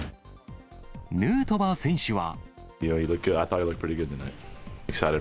ヌートバー選手は。